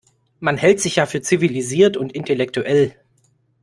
Man hält sich ja für zivilisiert und intellektuell.